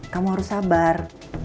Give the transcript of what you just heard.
kamu harus sabar